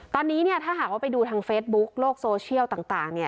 ตอนนี้ถ้าหากว่าไปดูทางเฟซบุ๊คโลกโซเชียลต่าง